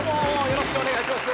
よろしくお願いします。